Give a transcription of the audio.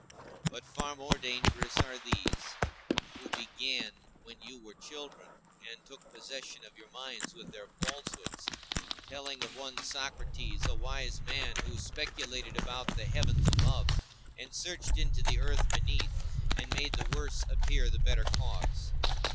But far more dangerous are these, who began when you were children, and took possession of your minds with their falsehoods, telling of one Socrates, a wise man, who speculated about the heaven above, and searched into the earth beneath, and made the worse appear the better cause.